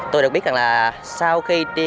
tôi được biết rằng là sau khi đi